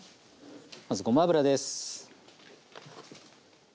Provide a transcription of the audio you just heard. まずごま油です。